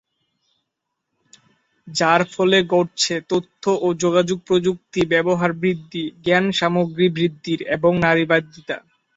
যার ফলে ঘটছে তথ্য ও যোগাযোগ প্রযুক্তি ব্যবহার বৃদ্ধি, জ্ঞান সামগ্রী বৃদ্ধির এবং নারীবাদীতা।